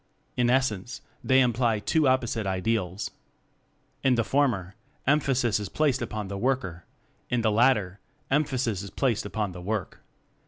In essence, they imply two opposite ideals. In the former, emphasis is placed upon the worker; in the latter, emphasis is placed upon the work.